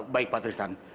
baik pak tristan